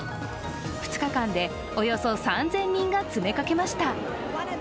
２日間でおよそ３０００人が詰めかけました。